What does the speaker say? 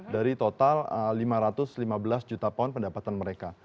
dari total lima ratus lima belas juta pound pendapatan mereka